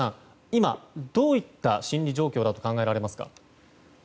今、どういった心理状況だと考えられますか？